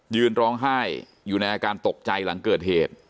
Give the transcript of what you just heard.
ยืนร้องไห้อยู่ในอาการตกใจหลังเกิดเหตุ